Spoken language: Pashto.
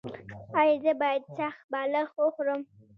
ایا زه باید سخت بالښت وکاروم؟